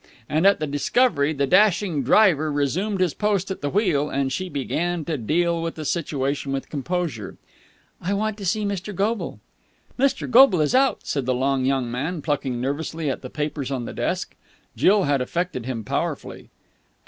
And, at the discovery, the dashing driver resumed his post at the wheel, and she began to deal with the situation with composure. "I want to see Mr. Goble." "Mr. Goble is out," said the long young man, plucking nervously at the papers on the desk. Jill had affected him powerfully.